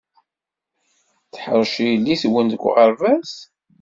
Teḥṛec yelli-twen deg uɣerbaz?